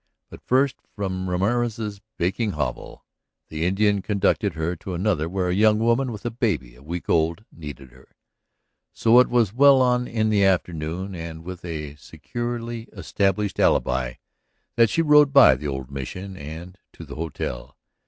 But first, from Ramorez's baking hovel, the Indian conducted her to another where a young woman with a baby a week old needed her. So it was well on in the afternoon and with a securely established alibi that she rode by the old Mission and to the hotel.